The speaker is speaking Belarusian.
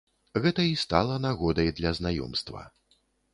Гэта і стала нагодай для знаёмства.